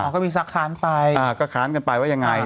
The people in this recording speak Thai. ก็มีสักค้านไปก็ค้านกันไปว่ายังไง